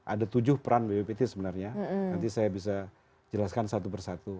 ada tujuh peran bppt sebenarnya nanti saya bisa jelaskan satu persatu